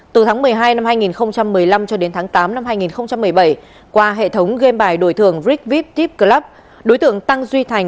từ tháng một mươi hai năm hai nghìn một mươi năm cho đến tháng tám năm hai nghìn một mươi bảy qua hệ thống game bài đổi thường rig vip tip club đối tượng tăng duy thành